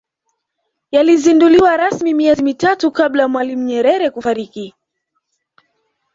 yalizinduliwa rasmi miezi mitatu kabla ya mwalimu nyerere kufariki